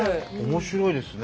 面白いですね。